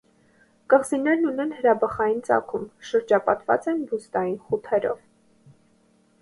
Կղզիներն ունեն հրաբխային ծագում, շրջապատված են բուստային խութերով։